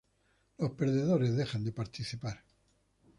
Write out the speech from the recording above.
Los perdedores dejan de participar.